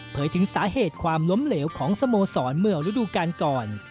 ถึงสาเหตุความล้มเหลวของสโมสรเมื่อฤดูกาลก่อน